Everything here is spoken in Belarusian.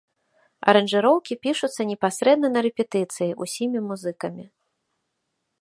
Аранжыроўкі пішуцца непасрэдна на рэпетыцыі ўсімі музыкамі.